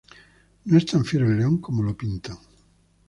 No es tan fiero el león como lo pintan